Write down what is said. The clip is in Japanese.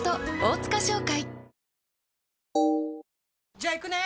じゃあ行くね！